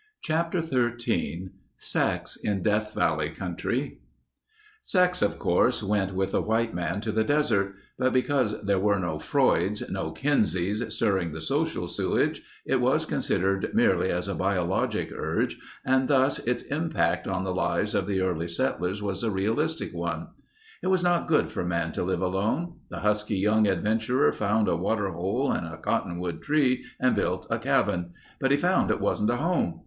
Chapter XIII Sex in Death Valley Country Sex, of course, went with the white man to the desert, but because there were no Freuds, no Kinseys stirring the social sewage, it was considered merely as a biologic urge and thus its impact on the lives of the early settlers was a realistic one. It was not good for man to live alone. The husky young adventurer found a water hole and a cottonwood tree and built a cabin. But he found it wasn't a home.